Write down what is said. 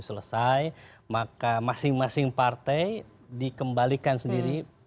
selesai maka masing masing partai dikembalikan sendiri